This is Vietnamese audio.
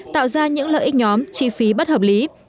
tạo ra những lợi ích nhóm chi phí bất hợp lý